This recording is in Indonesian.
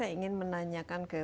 saya ingin menanyakan ke